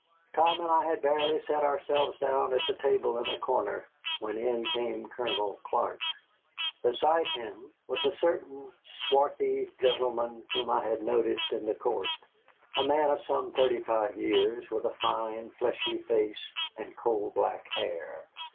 Tom and I had barely sat ourselves down at a table in a corner, when in came Colonel Clark. Beside him was a certain swarthy gentleman whom I had noticed in the court, a man of some thirty five years, with a fine, fleshy face and coal black hair.